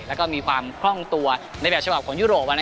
แล้วก็มีความคล่องตัวในแบบฉบับของยุโรป